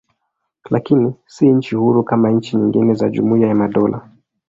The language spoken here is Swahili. Lakini si nchi huru kama nchi nyingine za Jumuiya ya Madola.